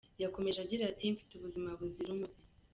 Yakomeje agira ati: “Mfite ubuzima buzira umuze.”